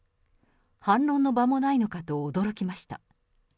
反論の場もないのかと驚きました。